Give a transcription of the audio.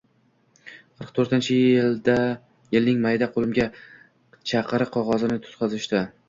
Qirq to`rtinchi yilning mayida qo`limga chaqiriq qog`ozini tutqazishdi